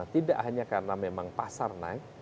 tidak hanya karena memang pasar naik